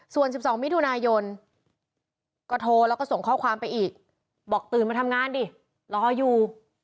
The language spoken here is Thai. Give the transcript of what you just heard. ส่วน๑๒มิถุนายนก็โทรแล้วก็ส่งข้อความไปอีกบอกตื่นมาทำงานดิรออยู่